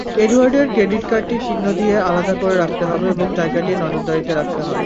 এডওয়ার্ডের credit কার্ডটি চিহ্ন দিয়ে আলাদা করে রাখতে হবে এবং জায়গাটি নজরদারিতে রাখতে হবে।